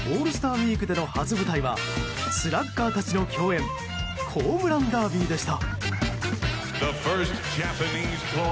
ウィークでの初舞台はスラッガーたちの競演ホームランダービーでした。